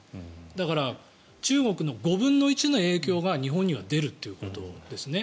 だから、中国の５分の１の影響が日本には出るということですね。